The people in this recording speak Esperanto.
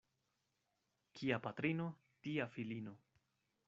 Kia patrino, tia filino.